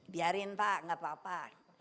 biarin pak nggak apa apa